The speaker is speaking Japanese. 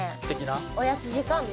おやつ時間？